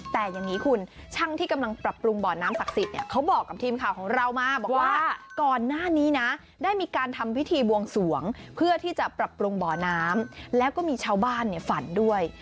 แต่อย่างนี้คุณช่างที่กำลังปรับปรุงบ่อน้ำศักดิ์สิทธิ์เนี่ยเขาบอกกับทีมข่าวของเรามาบอกว่าก่อนหน้านี้นะได้มีการทำพิธีบวงสวงเพื่อที่จะปรับปรุงบ่อน้ำแล้วก็มีชาวบ้านฝันด้วย